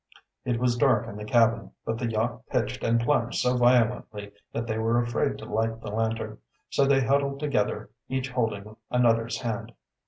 It was dark in the cabin, but the yacht pitched and plunged so violently that they were afraid to light the lantern. So they huddled together, each holding another's hand.